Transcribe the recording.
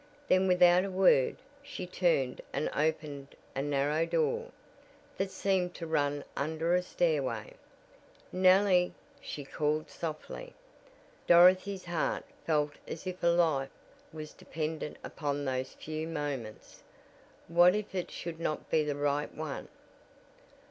Then, without a word, she turned and opened a narrow door, that seemed to run under a stairway. "Nellie!" she called softly. Dorothy's heart felt as if a life was dependent upon those few moments. What if it should not be the right one?